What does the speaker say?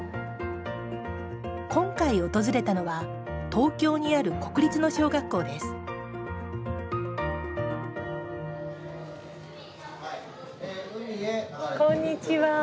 今回、訪れたのは東京にある国立の小学校ですこんにちは。